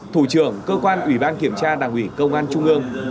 thủ trưởng cơ quan ủy ban kiểm tra đảng ủy công an trung ương